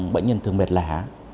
bệnh nhân thường mệt lả